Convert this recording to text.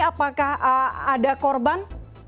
apakah ada korban